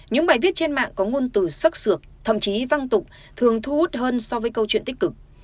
những bài viết trên mạng có ngôn từ sắc sược thậm chí văng tục thường thu hút hơn so với câu chuyện tích cực